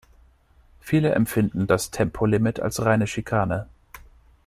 Viele empfinden das Tempolimit als reine Schikane.